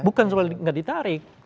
bukan soal nggak ditarik